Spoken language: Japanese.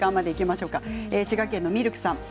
滋賀県の方です。